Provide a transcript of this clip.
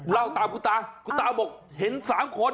เล่าตามกุฎากุฎาบอกเห็นสามคน